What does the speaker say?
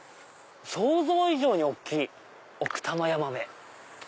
想像以上に大きい奥多摩ヤマメ。